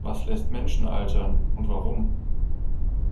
Was lässt Menschen altern und warum?